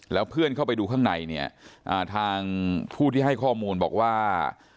แล้วเพื่อนเข้าไปดูข้างในเนี่ยทางผู้ที่ให้ข้อมูลบอกว่า